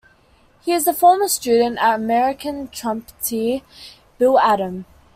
He is a former student American trumpeter Bill Adam.